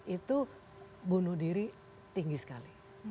itu bunuh diri tinggi sekali